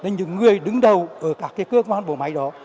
những người đứng đầu ở các cái cơ quan bộ máy đó